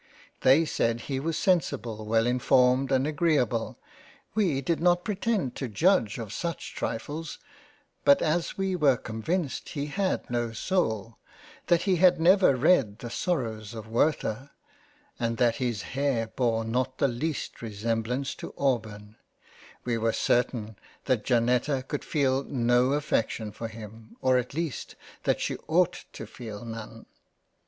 They said he was Sensible, well informed, and Agreable ; we did not pretend to Judge of such trifles, but as we were convinced he had no soul, that he had never read the sorrows of Werter, and that his Hair bore not the least resemblance to auburn, we were certain that Janetta could feel no affection for him, or at least that she ought to feel none.